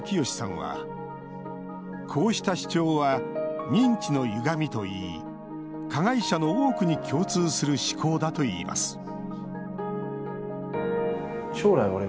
佳さんは、こうした主張は「認知の歪み」といい加害者の多くに共通する思考だといいます